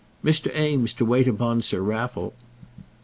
"Mr. Eames, to wait upon Sir Raffle."